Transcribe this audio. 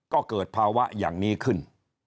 ก็เกิดภาวะอย่างนี้ขึ้น